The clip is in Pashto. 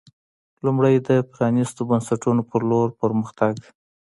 لومړی د پرانېستو بنسټونو په لور پر مخ تګ